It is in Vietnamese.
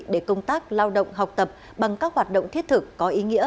để công tác lao động học tập bằng các hoạt động thiết thực có ý nghĩa